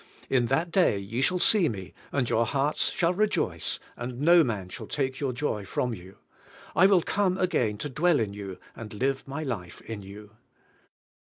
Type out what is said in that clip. In that day ye shall see me, and your hearts shall rejoice, and no man shall take your joy from you. I will come again to dwell in you, and live my life in you."